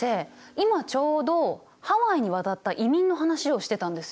今ちょうどハワイに渡った移民の話をしてたんですよ。